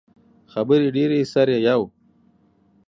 خبرې ډیرې سر ئې یؤ